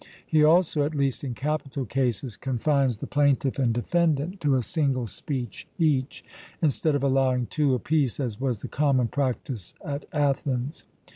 He also, at least in capital cases, confines the plaintiff and defendant to a single speech each, instead of allowing two apiece, as was the common practice at Athens.